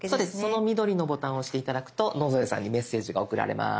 その緑のボタンを押して頂くと野添さんにメッセージが送られます。